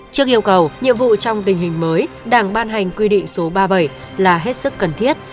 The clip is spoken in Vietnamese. trước yêu cầu nhiệm vụ trong tình hình mới đảng ban hành quy định số ba mươi bảy là hết sức cần thiết